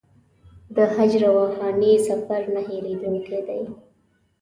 د حج روحاني سفر نه هېرېدونکی دی.